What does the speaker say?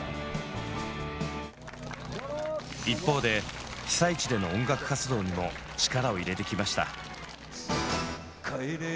一方で被災地での音楽活動にも力を入れてきました。